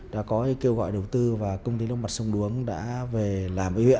đã có kêu gọi đầu tư và công ty nước mặt sông đuống đã về làm với huyện